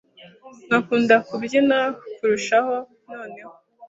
nkakunda kubyina kurushaho noneho